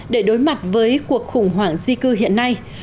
để đối mặt với cuộc khủng hoảng di cư hiện nay